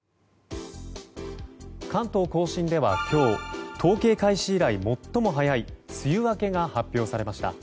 関東・甲信では今日統計開始以来最も早い梅雨明けが発表されました。